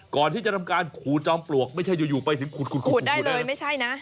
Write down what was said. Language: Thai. ก่อนที่จะทำการขูดจอมปลวกไม่ใช่อยู่ไปถึงขุดได้เลยไม่ใช่นะ